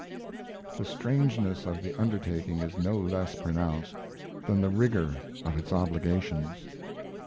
_" The strangeness of the undertaking is no less pronounced than the rigour of its obligations.